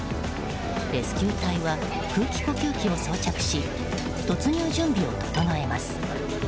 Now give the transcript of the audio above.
レスキュー隊は空気呼吸器を装着し突入準備を整えます。